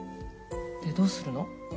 でどうするの？